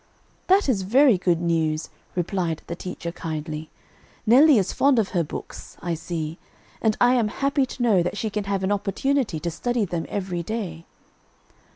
"That is very good news," replied the teacher kindly. "Nelly is fond of her books, I see, and I am happy to know that she can have an opportunity to study them every day."